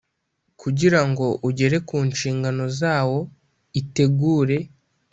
kugira ngo ugere ku nshingano zawo itegure